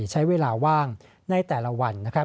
ใช้เวลาว่างในแต่ละวัน